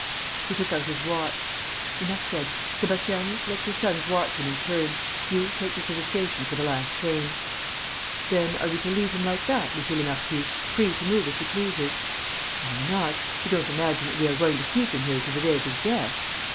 He took out his watch. "Enough said! Sébastiani, let your sons watch him in turns. You, take me to the station for the last train." "Then are we to leave him like that, monsieur le marquis, free to move as he pleases?" "Why not? You don't imagine that we are going to keep him here to the day of his death?